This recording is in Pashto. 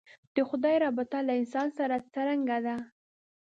د خدای رابطه له انسان سره څرنګه ده.